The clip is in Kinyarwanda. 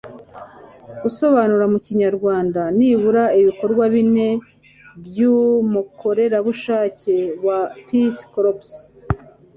gusobanura mu kinyarwanda nibura ibikowa bine by'umukorerabushake wa peace corps